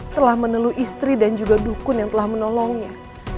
telah meneluh istri dan juga dukun yang telah menolongnya